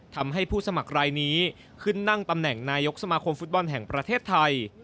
ทำให้ผู้สมัครรายนี้ขึ้นนั่งตำแหน่งนายกสมาคมฟุตบอลแห่งประเทศไทย